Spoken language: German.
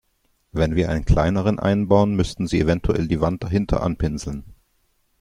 Wenn wir einen kleineren einbauen, müssten Sie eventuell die Wand dahinter anpinseln.